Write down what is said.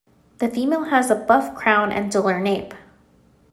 The female has a buff crown and duller nape.